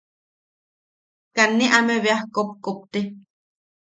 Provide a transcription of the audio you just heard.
Kaa ne ame beaj kopkopte.